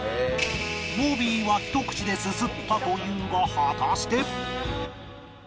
ボビーはひと口ですすったというが果たして